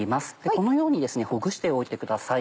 このようにほぐしておいてください。